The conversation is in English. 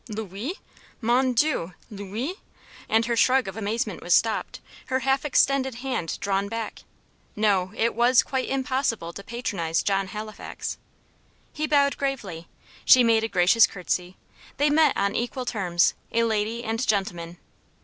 "Lui? Mon dieu! Lui!" And her shrug of amazement was stopped, her half extended hand drawn back. No, it was quite impossible to patronise John Halifax. He bowed gravely, she made a gracious curtsey; they met on equal terms, a lady and gentleman.